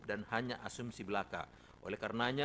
dan hanya asumsi belaka oleh karenanya